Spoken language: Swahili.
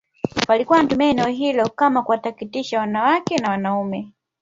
walikuwa wanatumia eneo hilo kama kuwatakatisha wanawake na wanaume